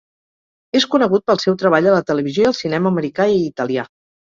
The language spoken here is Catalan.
És conegut pel seu treball a la televisió i al cinema americà i italià.